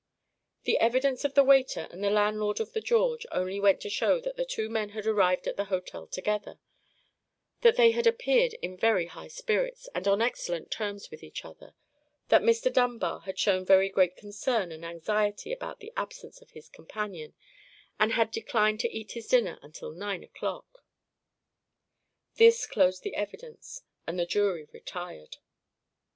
The evidence of the waiter and the landlord of the George only went to show that the two men had arrived at the hotel together; that they had appeared in very high spirits, and on excellent terms with each other; that Mr. Dunbar had shown very great concern and anxiety about the absence of his companion, and had declined to eat his dinner until nine o'clock. This closed the evidence; and the jury retired.